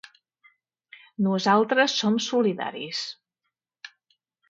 Nosaltres som solidaris.